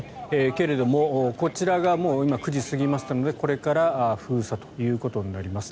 けれどもこちらが今９時過ぎましたのでこれから封鎖ということになります。